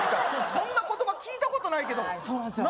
そんな言葉聞いたことないけどそうなんすよ